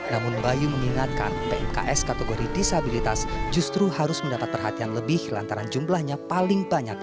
namun bayu mengingatkan pmks kategori disabilitas justru harus mendapat perhatian lebih lantaran jumlahnya paling banyak